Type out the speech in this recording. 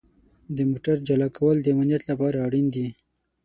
د موټر جلا کول د امنیت لپاره اړین دي.